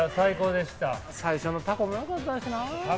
最初のタコもうまかったしな。